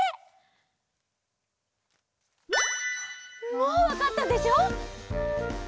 もうわかったでしょ？